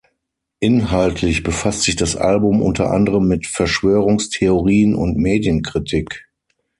Inhaltlich befasst sich das Album unter anderem mit Verschwörungstheorien und Medienkritik.